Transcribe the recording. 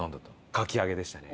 かき揚げでしたね。